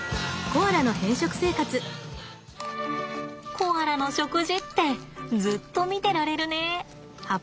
コアラの食事ってずっと見てられるね。